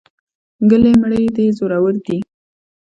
ګلې مړې دې زورور دي.